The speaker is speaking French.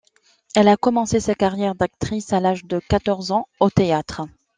Elle a commencé sa carrière d'actrice à l'âge de quatorze ans au théâtre.